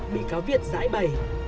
bị cáo việt giãi bày